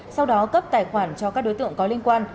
sau đó cấp tài khoản cho các đối tượng có liên quan